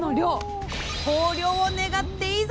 豊漁を願っていざ